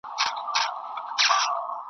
ساندي ګډي په بلبلو په باغوان اعتبار نسته .